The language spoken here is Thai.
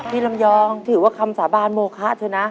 พี่ลำยองที่ว่าคำสาบานโมคะเนอะนะ